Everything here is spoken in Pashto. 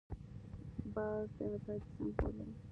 باز د آزادۍ سمبول دی